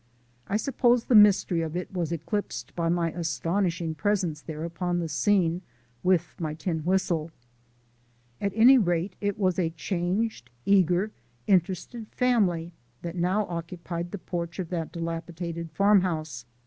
I suppose the mystery of it was eclipsed by my astonishing presence there upon the scene with my tin whistle. At any rate, it was a changed, eager, interested family which now occupied the porch of that dilapidated farmhouse.